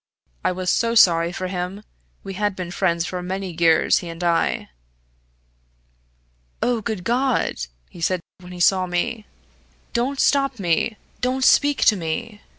I was so sorry for him. We had been friends for many years, he and I. 'Oh, good God!' he said, when he saw me. 'Don't stop me don't speak to me!'